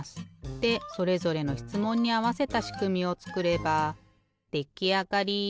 でそれぞれのしつもんにあわせたしくみをつくればできあがり！